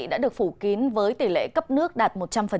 đã được phủ kín với tỷ lệ cấp nước đạt một trăm linh